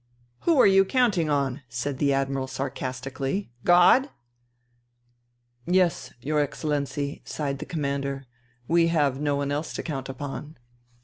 " Who are you counting on," said the Admiral sarcastically, " God ?"" Yes, Your Excellency," sighed the Commander, " we have no one else to count upon."